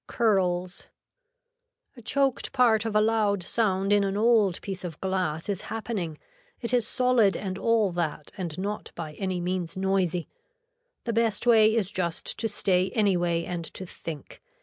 CURLS A choked part of a loud sound in an old piece of glass is happening, it is solid and all that and not by any means noisy. The best way is just to stay any way and to think.